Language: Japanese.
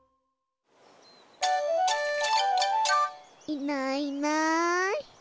いないいない。